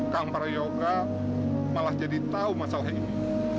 kampar yoga malah jadi tahu masalah ini